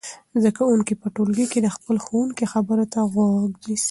زده کوونکي په ټولګي کې د خپل ښوونکي خبرو ته غوږ نیسي.